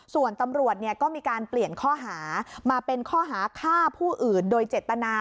ส่วนตำรวจก็มีการเปลี่ยนข้อหามาเป็นข้อหาฆ่าผู้อื่นโดยเจตนา